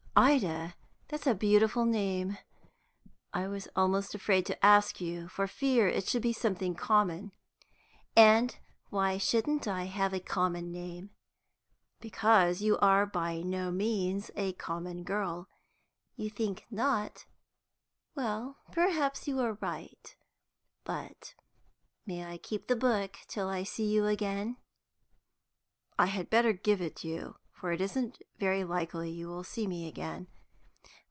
"Ida? That's a beautiful name. I was almost afraid to ask you, for fear it should be something common." "And why shouldn't I have a common name?" "Because you are by no means a common girl." "You think not? Well, perhaps you are right. But may I keep the book till I see you again?" "I had better give it you, for it isn't very likely you will see me again."